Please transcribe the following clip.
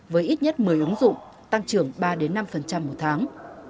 với ít nhất một mươi ứng dụng tăng trưởng ba năm một tháng